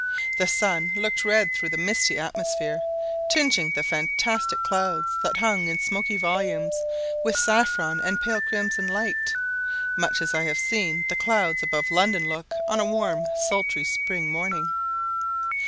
The sun looked red through the misty atmosphere, tinging the fantastic clouds that hung in smoky volumes, with saffron and pale crimson light, much as I have seen the clouds above London look on a warm, sultry spring morning.